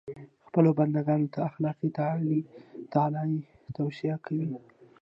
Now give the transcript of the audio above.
خپلو بنده ګانو ته اخلاقي تعالي توصیه کوي.